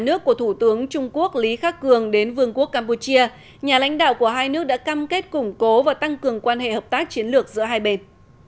trong cuộc gặp giữa thủ tướng trung quốc lý khắc cường đến vương quốc campuchia nhà lãnh đạo của hai nước đã cam kết củng cố và tăng cường quan hệ hợp tác chiến lược giữa hai bên